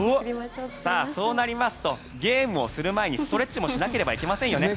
そうなりますとゲームをする前にストレッチもしなければいけませんよね。